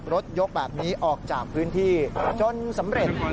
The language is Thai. รถยกแบบนี้ออกจากพื้นที่จนสำเร็จ